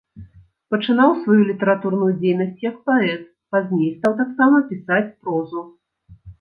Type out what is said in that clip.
Пачынаў сваю літаратурную дзейнасць як паэт, пазней стаў таксама пісаць прозу.